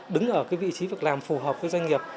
đứng ở vị trí việc làm phù hợp với doanh nghiệp